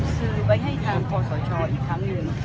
ซื้อไว้ให้ทางพระสวยชอบอีกทั้งหนึ่ง